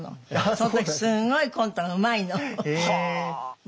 その時すごいコントがうまいの。